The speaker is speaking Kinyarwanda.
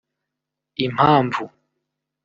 Impamvu